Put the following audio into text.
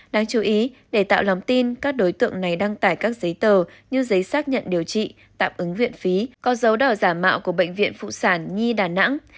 đáng chú ý để tạo lòng tin các đối tượng này đăng tải các giấy tờ như giấy xác nhận điều trị tạm ứng viện phí có dấu đỏ giả mạo của bệnh viện phụ sản nhi đà nẵng